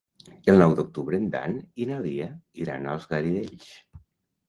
El nou d'octubre en Dan i na Lia iran als Garidells.